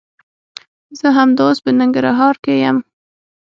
زه همدا اوس په ننګرهار کښي يم.